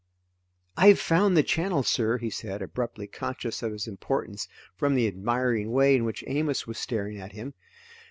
"I've found the channel, sir," he said, abruptly conscious of his importance from the admiring way in which Amos was staring at him.